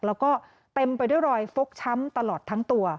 แล้วก็เต็มไปด้วยรอยฟกช้ำตลอดทั้งตัว